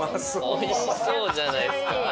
おいしそうじゃないですか？